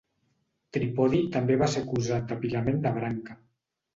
Tripodi també va ser acusat d'apilament de branca.